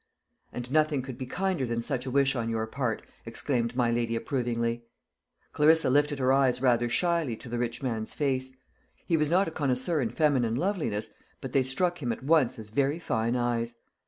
"And nothing could be kinder than such a wish on your part." exclaimed my lady approvingly. Clarissa lifted her eyes rather shyly to the rich man's face. He was not a connoisseur in feminine loveliness, but they struck him at once as very fine eyes.